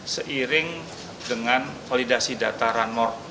seiring dengan kualidasi data ranmor